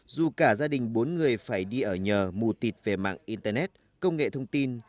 dù cả gia đình bốn người phải đi ở nhờ mù tịt về mạng internet công nghệ thông tin